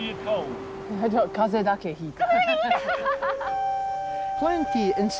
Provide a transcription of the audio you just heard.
風邪だけひいた。